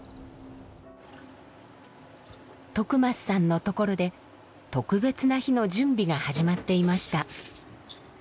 徳増さんのところで特別な日の準備が始まっていました。